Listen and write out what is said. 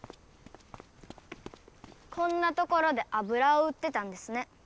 こんなところであぶらを売ってたんですね。